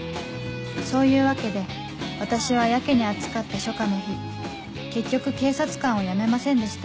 そういうわけで私はやけに暑かった初夏の日結局警察官を辞めませんでした